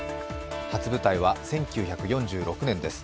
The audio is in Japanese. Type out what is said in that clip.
初舞台は１９４６年です。